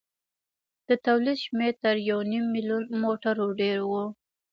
د تولید شمېر تر یو نیم میلیون موټرو ډېر و.